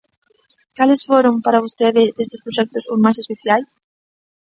Cales foron para vostede, destes proxectos, os máis especiais?